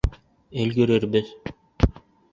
Өлгөрөрбөҙ!